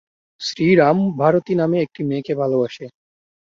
শ্রীরাম ভারতী নামে একটি মেয়েকে ভালোবাসে।